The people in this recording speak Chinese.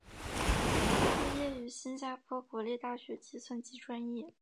毕业于新加坡国立大学计算机专业。